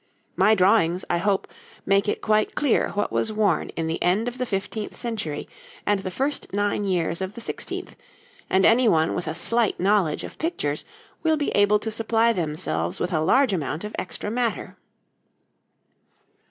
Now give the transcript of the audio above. My drawings, I hope, make it quite clear what was worn in the end of the fifteenth century and the first nine years of the sixteenth, and anyone with a slight knowledge of pictures will be able to supply themselves with a large amount of extra matter.